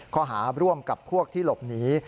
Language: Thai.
ข้อหาร่วมกับพวกที่หลบหนี